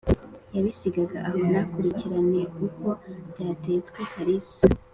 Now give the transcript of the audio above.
yabisigaga aho ntakurikirane uko byatetswe. Karisa